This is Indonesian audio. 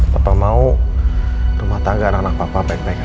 papa mau rumah tangga anak anak papa baik baik